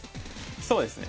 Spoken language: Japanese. そうですね。